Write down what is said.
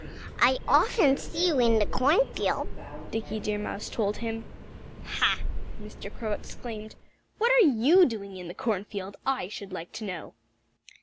"I often see you in the cornfield," Dickie Deer Mouse told him. "Ha!" Mr. Crow exclaimed. "What are you doing in the cornfield, I should like to know?"